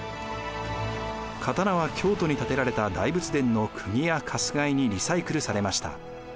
刀は京都に建てられた大仏殿のくぎやかすがいにリサイクルされました。